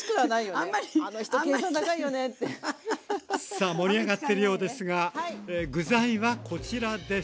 さあ盛り上がってるようですが具材はこちらです。